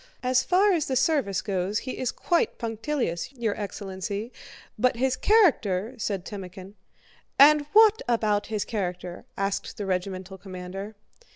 "As far as the service goes he is quite punctilious, your excellency; but his character..." said Timókhin. "And what about his character?" asked the regimental commander.